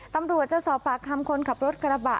ตำรวจจะสอบปากคำคนขับรถกระบะ